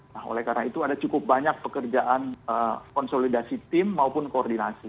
nah oleh karena itu ada cukup banyak pekerjaan konsolidasi tim maupun koordinasi